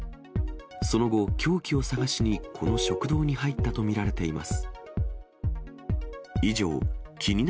その後、凶器を探しにこの食堂に入ったと見られています。